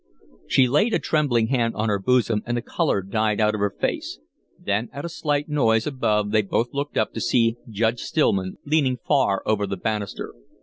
She laid a trembling hand on her bosom and the color died out of her face, then at a slight noise above they both looked up to see Judge Stillman leaning far over the banister.